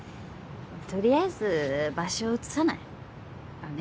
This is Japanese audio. とりあえず場所移さない？だね。